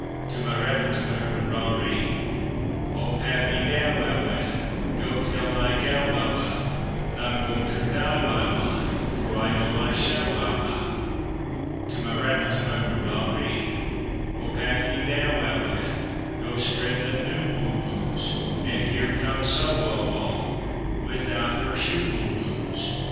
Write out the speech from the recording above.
To my rattle, to my roo rah ree! "O pappy da wa wad, Go tell my ga wa wal That I'm a goin' ter di wi wie, For I know I sha wa wall." To my rattle, to my roo rah ree! "O pappy da wa wad, Go spread the ne wu wus; And here come Sa wa wall Without her sho woo woos."